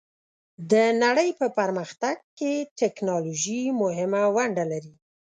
د نړۍ په پرمختګ کې ټیکنالوژي مهمه ونډه لري.